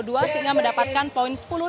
dan rio juga mendapatkan poin sepuluh